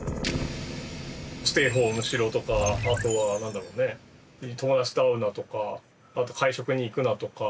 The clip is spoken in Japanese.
ステイホームしろとかあとは何だろうね友達と会うなとかあと会食に行くなとか。